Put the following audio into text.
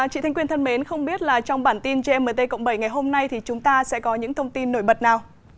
chị thanh quyên thân mến không biết là trong bản tin gmt cộng bảy ngày hôm nay thì chúng ta sẽ có những thông tin nổi bật nào